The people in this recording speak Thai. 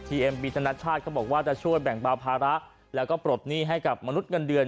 เอ็มบีธนชาติเขาบอกว่าจะช่วยแบ่งเบาภาระแล้วก็ปลดหนี้ให้กับมนุษย์เงินเดือน